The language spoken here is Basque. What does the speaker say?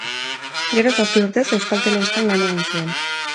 Gero, zazpi urtez, Euskal Telebistan lan egin zuen.